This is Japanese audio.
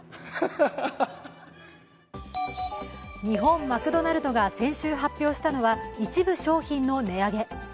日本マクドナルドが先週発表したのは一部商品の値上げ。